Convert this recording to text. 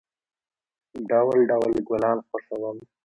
ډول، ډول گلان خوښوم.